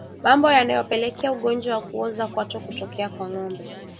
Mambo yanayopelekea ugonjwa wa kuoza kwato kutokea kwa ngombe